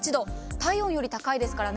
体温より高いですからね。